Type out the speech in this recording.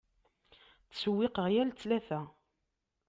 Ttsewwiqeɣ yal ttlata.